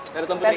nanti ketemu lagi